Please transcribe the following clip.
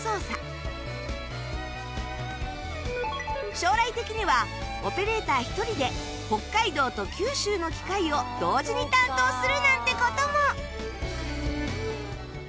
将来的にはオペレーター１人で北海道と九州の機械を同時に担当するなんて事も！